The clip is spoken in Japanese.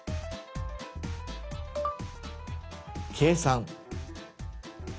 「計算」。